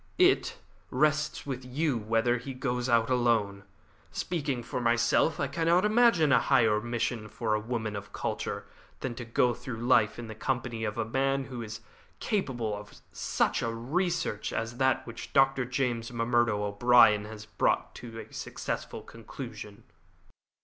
It rests with you as to whether he goes out alone. Speaking for myself, I cannot imagine any higher mission for a woman of culture than to go through life in the company of a man who is capable of such a research as that which Dr. James M'Murdo O'Brien has brought to a successful conclusion."